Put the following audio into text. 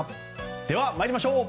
では、参りましょう。